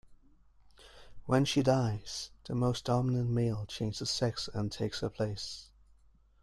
When she dies, the most dominant male changes sex and takes her place.